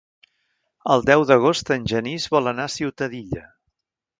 El deu d'agost en Genís vol anar a Ciutadilla.